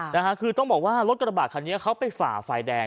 นะฮะคือต้องบอกว่ารถกระบาดคันนี้เขาไปฝ่าไฟแดง